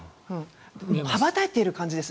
羽ばたいている感じです。